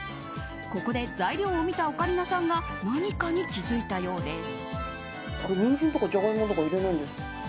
ここで材料を見たオカリナさんが何かに気付いたようです。